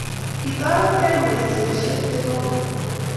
Kitoretigei eng boishoshek chepo kot